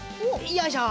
よいしょ。